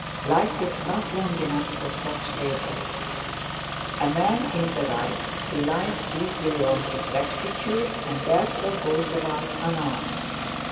Life is not long enough for such labours. A man in the right relies easily on his rectitude, and therefore goes about unarmed.